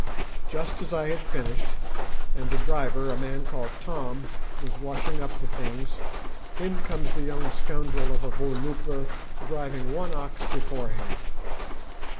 Just as I had finished, and the driver, a man called Tom, was washing up the things, in comes the young scoundrel of a voorlooper driving one ox before him.